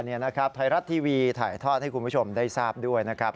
ไทยรัฐทีวีถ่ายทอดให้คุณผู้ชมได้ทราบด้วยนะครับ